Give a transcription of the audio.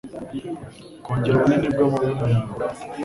kongera ubunini bw'amabuno yawe.